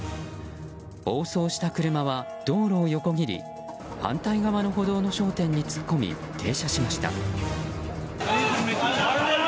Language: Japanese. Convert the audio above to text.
暴走した車は道路を横切り反対側の歩道の商店に突っ込み停車しました。